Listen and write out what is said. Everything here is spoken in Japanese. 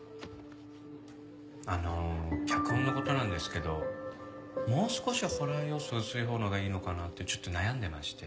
あの脚本の事なんですけどもう少しホラー要素薄いほうのがいいのかなってちょっと悩んでまして。